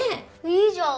いいじゃん！